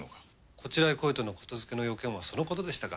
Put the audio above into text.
こちらへ来いとの言づけの用件はそのことでしたか。